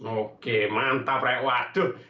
oke mantap rek waduh